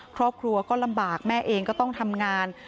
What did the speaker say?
ครอบครัวก็ลำบากแม่เองก็ต้องทำงาน